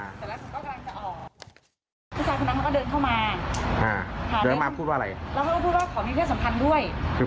เสร็จแล้วผมก็กำลังจะออก